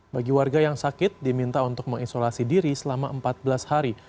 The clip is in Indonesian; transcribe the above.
bagi warga yang sakit diminta untuk mengisolasi diri selama empat belas hari